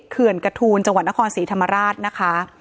เขื่อนกระทูลจังหวัดนครศรีธรรมราชนะคะ